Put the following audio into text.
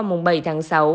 môn bảy tháng sáu